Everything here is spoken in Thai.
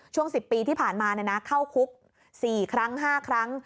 ช่วง๑๐ปีที่ผ่านมาเข้าคุก๔ครั้ง๕ครั้ง